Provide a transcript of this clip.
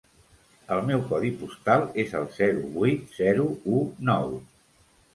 El meu codi postal és el zero vuit zero u nou.